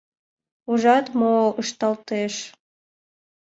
Ужат, мо ышталтеш?